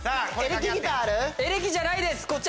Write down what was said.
エレキじゃないです。